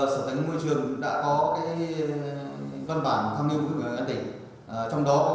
sở tài nguyên và môi trường đã có văn bản tham nhu của các nông thôn mới